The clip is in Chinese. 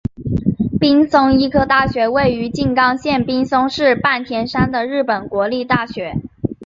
滨松医科大学位于静冈县滨松市半田山的日本国立大学。